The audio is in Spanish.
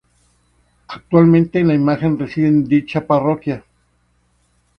Actualmente la Imagen reside en dicha parroquia.